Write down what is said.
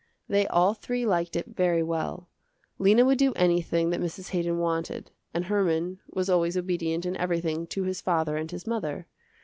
They all three liked it very well. Lena would do anything that Mrs. Haydon wanted, and Herman was always obedient in everything to his father and his mother.